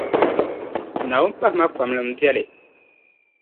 Naawuni pahimi a kpamli m biɛli.